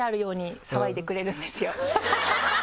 ハハハハ！